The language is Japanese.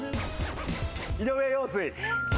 井上陽水。